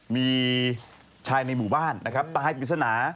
มีชายในหมู่บ้านตายปริศนา